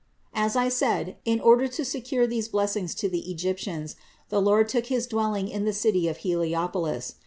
665. As I said, in order to secure these blessings to the Egyptians, the Lord took his dwelling in the city of Heliopolis.